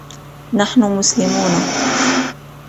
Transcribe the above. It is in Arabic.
نحن مسلمون.